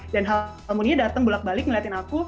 dan halmoninya datang bulat balik ngeliatin aku